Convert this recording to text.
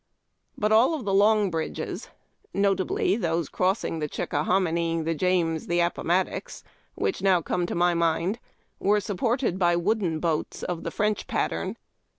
But all of the /ow// bridges, notably those crossing the Chickahomin}', the James, tlie Apponrattox, which now come to my mind, were supported by icooden boats of the French pattern.